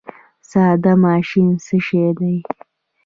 ساده ماشین څه شی دی؟